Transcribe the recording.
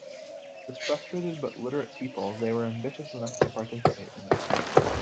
As frustrated but literate people, they were ambitious enough to participate in it.